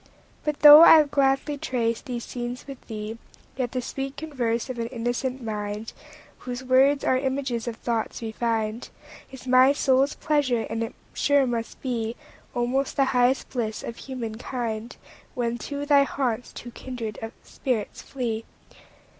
But though I'll gladly trace these scenes with thee, Yet the sweet converse of an innocent mind, Whose words are images of thoughts refin'd, Is my soul's pleasure; and it sure must beAlmost the highest bliss of human kind, When to thy haunts two kindred spirits flee.